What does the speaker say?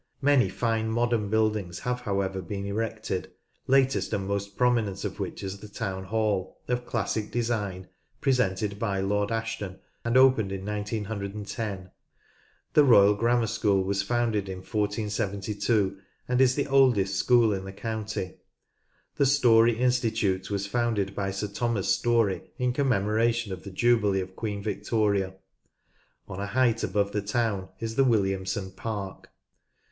Many fine modern buildings have however been erected, latest and most prominent of which is the Town Hall, of classic design, presented by Lord Ashton, and opened in 19 10. The Royal Grammar School was founded in 1472, and is the oldest school in the county. The Storey Institute was founded by Sir Thomas Storey in commemoration of the jubilee of Queen Victoria. On a height above the town is the Williamson Park.